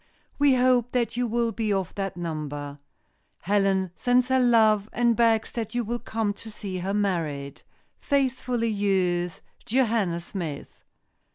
We hope that you will be of that number. Helen sends her love and begs that you will come to see her married. "Faithfully yours, "Joanna Smith."